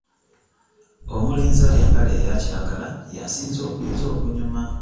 Omulenzi ayambadde empale eya kiragala y'asinze okunyuma.